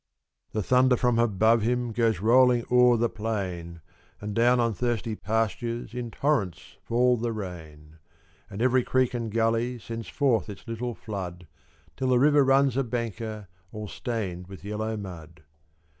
The thunder from above him Goes rolling o'er the plain; And down on thirsty pastures In torrents fall the rain. And every creek and gully Sends forth its little flood, Till the river runs a banker, All stained with yellow mud.